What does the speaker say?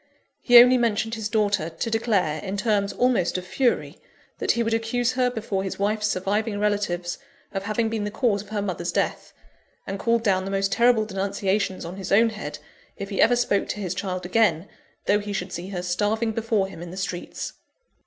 He only mentioned his daughter, to declare, in terms almost of fury, that he would accuse her before his wife's surviving relatives, of having been the cause of her mother's death; and called down the most terrible denunciations on his own head, if he ever spoke to his child again, though he should see her starving before him in the streets.